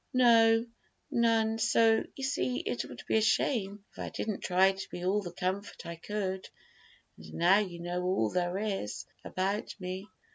"No, none; so, you see, it would be a shame if I didn't try to be all the comfort I could; and now you know all there is about me."